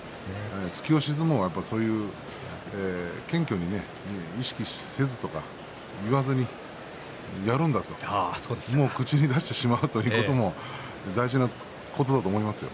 突き押し相撲は、やっぱりそういう謙虚に意識せずとか言わずにやれるんだと口に出してしまうということも大事なことだと思いますよ。